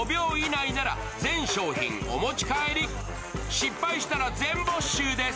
失敗したら全没収です。